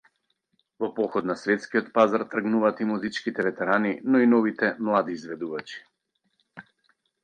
Во поход на светскиот пазар тргнуваат и музичките ветерани, но и новите, млади изведувачи.